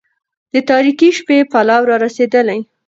د تاريكي شپې پلو را رسېدلى